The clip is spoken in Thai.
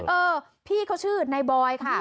เออพี่เขาชื่อนายบอยค่ะ